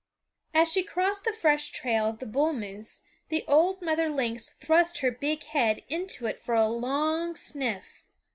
As she crossed the fresh trail of the bull moose the old mother lynx thrust her big head into it for a long sniff.